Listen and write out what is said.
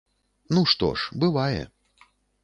Ну, што ж, бывае.